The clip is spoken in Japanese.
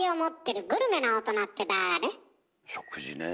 食事ねぇ。